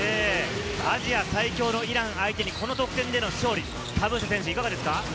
アジア最強のイラン相手にこの得点での勝利、いかがですか？